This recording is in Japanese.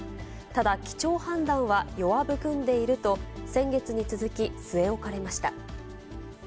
ただ基調判断は弱含んでいると、先月に続き据え置かれました。